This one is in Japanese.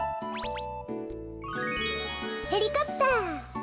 ヘリコプター！